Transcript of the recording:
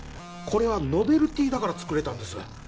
これはノベルティーだから作れたんです